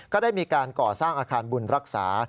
ก็ได้มีการก่อสร้างอาคารบุญรักษา